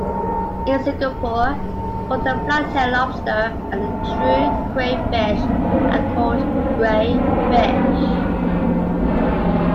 In Singapore, both the flathead lobster and true crayfish are called crayfish.